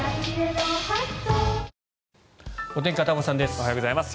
おはようございます。